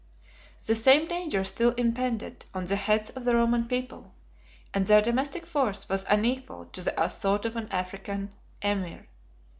The same danger still impended on the heads of the Roman people; and their domestic force was unequal to the assault of an African emir.